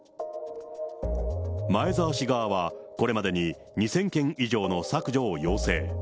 前澤氏側は、これまでに２０００件以上の削除を要請。